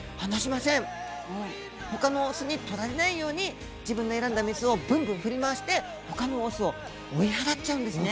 他のオスにとられないように自分の選んだメスをぶんぶん振り回して他のオスを追い払っちゃうんですね。